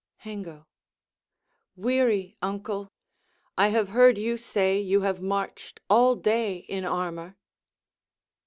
Hengo Weary, uncle! I have heard you say you have marched all day in armor.